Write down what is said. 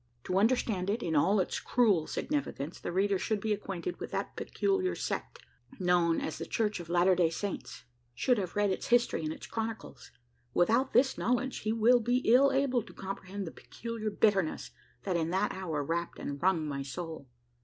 To understand it in all its cruel significance, the reader should be acquainted with that peculiar sect known as the "Church of Latter Day Saints" should have read its history and its chronicles. Without this knowledge, he will be ill able to comprehend the peculiar bitterness, that in that hour, wrapped and wrung my soul.